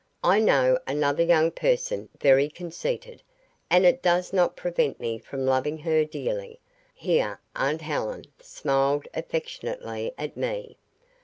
I know another young person very conceited, and it does not prevent me from loving her dearly," here aunt Helen smiled affectionately at me.